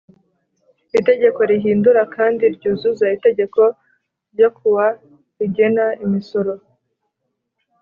Itegeko rihindura kandi ryuzuza itegeko ryo kuwa rigena imisoro